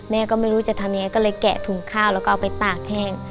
แม่ก็ไม่รู้จะทำยังไงก็เลยแกะถุงข้าวแล้วก็เอาไปตากแห้ง